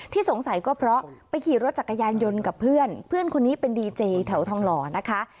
สงสัยก็เพราะไปขี่รถจักรยานยนต์กับเพื่อนเพื่อนคนนี้เป็นดีเจแถวทองหล่อนะคะ